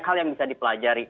hal yang bisa dipelajari